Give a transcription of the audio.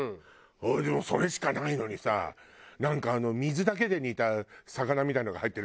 でもそれしかないのにさなんか水だけで煮た魚みたいなのが入ってる時とかさ。